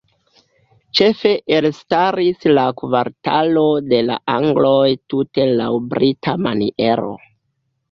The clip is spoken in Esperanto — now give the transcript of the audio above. Ĉefe elstaris la kvartalo "de la angloj" tute laŭ brita maniero.